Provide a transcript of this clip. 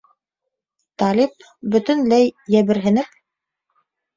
Талип, бөтөнләй, йәберһенеп: